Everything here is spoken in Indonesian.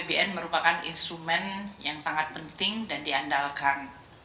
bbn merupakan instrumen yang sangat penting dan diandalkan